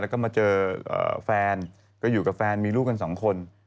แล้วก็มาเจอแฟนก็อยู่กับแฟนมีลูกกันสองคน